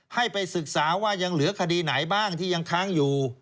ให้ไปศึกษาว่ายังเหลือคดีไหนบ้างที่ยังค้างอยู่